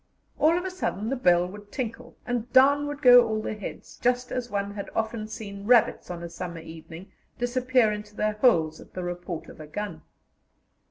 All of a sudden the bell would tinkle, and down would go all the heads, just as one has often seen rabbits on a summer evening disappear into their holes at the report of a gun.